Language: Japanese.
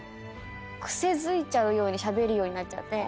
癖づいちゃうようにしゃべるようになっちゃって。